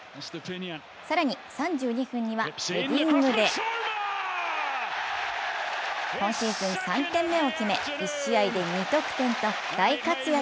更に、３２分にはヘディングで今シーズン３点目を決め、１試合で２得点と大活躍。